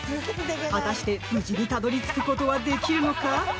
果たして無事にたどり着くことはできるのか？